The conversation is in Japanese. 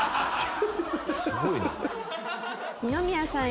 二宮さん